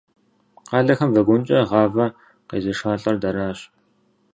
Къалэхэм вагонкӏэ гъавэ къезышалӏэр дэращ.